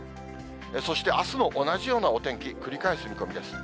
そしてあすも同じようなお天気、繰り返す見込みです。